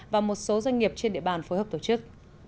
và một số doanh nghiệp trên địa bàn phối hợp tổ chức